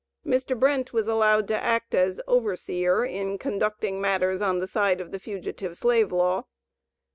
Mr. Brent was allowed to act as "overseer" in conducting matters on the side of the Fugitive Slave Law.